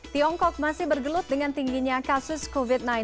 tiongkok masih bergelut dengan tingginya kasus covid sembilan belas